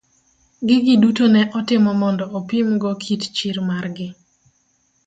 Gigi duto ne itomo mondo opim go kit chir mar gi.